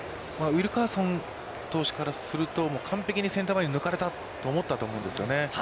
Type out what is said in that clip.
ウィルカーソン投手からすると、完璧にセンター前に抜かれたと思ったと思うんですよね。